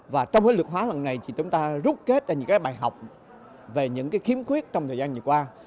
và trong cái lực hóa lần này thì chúng ta rút kết ra những bài học về những khiếm khuyết trong thời gian vừa qua